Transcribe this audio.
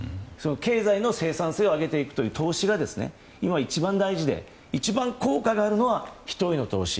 経済の生産性を上げていく投資が一番大事で一番効果があるのは人への投資。